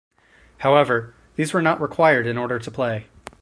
However, these were not required in order to play.